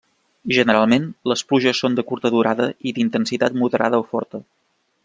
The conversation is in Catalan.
Generalment, les pluges són de curta durada i d'intensitat moderada o forta.